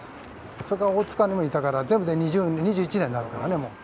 それから大塚にもいたから全部で２１年になるからねもう。